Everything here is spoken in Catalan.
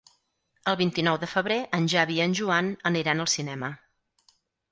El vint-i-nou de febrer en Xavi i en Joan aniran al cinema.